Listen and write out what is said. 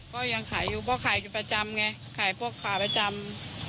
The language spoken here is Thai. ก็ยังขายอยู่เพราะขายอยู่ประจำไงขายพวกขาประจำ